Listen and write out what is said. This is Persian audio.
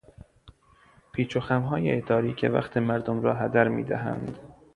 پیچوخمهای اداری که وقت مردم را هدر میدهد